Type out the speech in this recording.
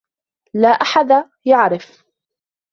لا أحد يعرف.